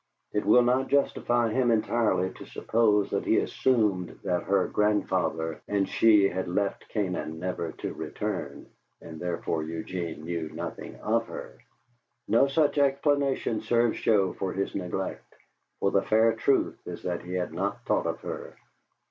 It will not justify him entirely to suppose that he assumed that her grandfather and she had left Canaan never to return, and therefore Eugene knew nothing of her; no such explanation serves Joe for his neglect, for the fair truth is that he had not thought of her.